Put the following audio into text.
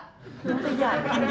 tante yakin dia